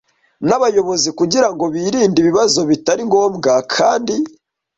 nabayobozi kugirango birinde ibibazo bitari ngombwa kandi